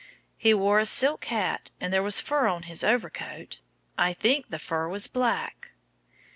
"He wore a silk hat and there was fur on his overcoat. I think the fur was black."